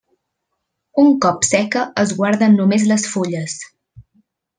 Un cop seca es guarden només les fulles.